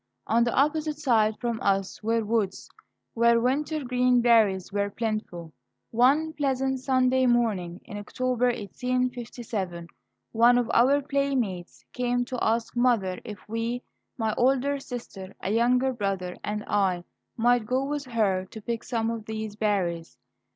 On the opposite side from us were woods, where wintergreen berries were plentiful. One pleasant Sunday morning in October, 1857, one of our playmates came to ask mother if we, my older sister, a younger brother, and I, might go with her to pick some of these berries.